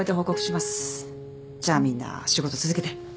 じゃあみんな仕事続けて。